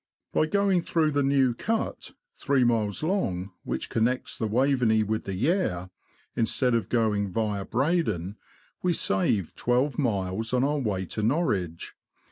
By going through the New Cut, three miles long, which connects the Waveney with the Yare, instead of going via Breydon, we save twelve miles on our way to Norwich.